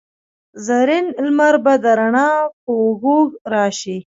زرین لمر به د روڼا په اوږو راشي